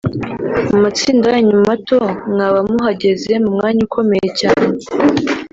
mu matsinda yanyu mato mwaba muhagaze mu mwanya ukomeye cyane